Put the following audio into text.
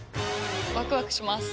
ワクワクします。